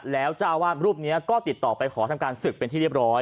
แล้วเจ้าอาวาสรูปนี้ก็ติดต่อไปขอทำการศึกเป็นที่เรียบร้อย